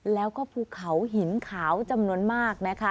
แล้วก็ภูเขาหินขาวจำนวนมากนะคะ